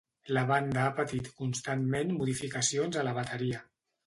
La banda ha patit constantment modificacions a la bateria.